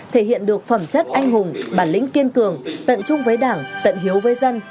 thể hiện được phẩm chất anh hùng bản lĩnh kiên cường tận trung với đảng tận hiếu với dân